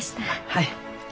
はい。